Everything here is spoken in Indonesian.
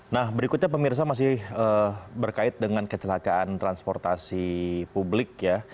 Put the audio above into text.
nah berikutnya pemirsa masih berkait dengan kecelakaan transportasi publik ya